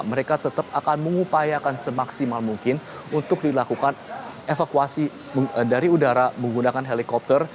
mereka tetap akan mengupayakan semaksimal mungkin untuk dilakukan evakuasi dari udara menggunakan helikopter